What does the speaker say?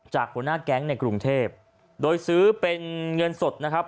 หัวหน้าแก๊งในกรุงเทพโดยซื้อเป็นเงินสดนะครับ